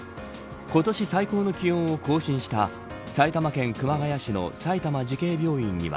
今年最高の気温を更新した埼玉県熊谷市の埼玉慈恵病院には